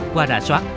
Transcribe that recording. qua đả soát